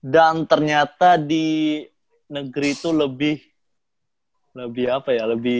dan ternyata di negeri itu lebih apa ya lebih